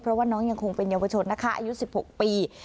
เพราะว่าน้องยังคงเป็นเยาวชนนะคะอายุ๑๖ปี